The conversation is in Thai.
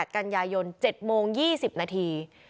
กันยายน๗โมง๒๐นาที